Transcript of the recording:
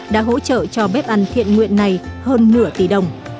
đã hỗ trợ cho bếp ăn thiện nguyện này hơn nửa tỷ đồng